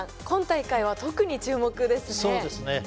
今大会は特に注目ですね。